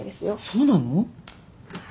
そうなの？